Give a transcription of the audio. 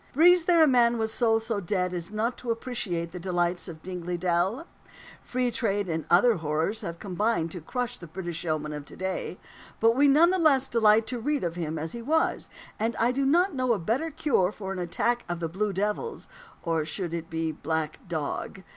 Breathes there a man with soul so dead as not to appreciate the delights of Dingley Dell? Free trade and other horrors have combined to crush the British yeoman of to day; but we none the less delight to read of him as he was, and I do not know a better cure for an attack of "blue devils" or should it be "black dog?"